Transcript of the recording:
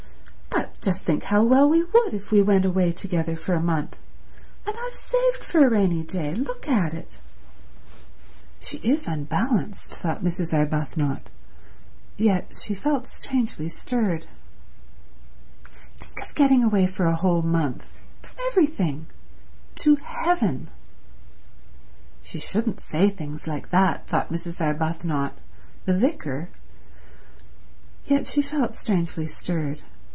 "But just think how well we would if we went away together for a month! And I've saved for a rainy day, and I expect so have you, and this is the rainy day—look at it—" "She is unbalanced," thought Mrs. Arbuthnot; yet she felt strangely stirred. "Think of getting away for a whole month—from everything—to heaven—" "She shouldn't say things like that," thought Mrs. Arbuthnot. "The vicar—" Yet she felt strangely stirred.